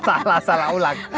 salah salah ulang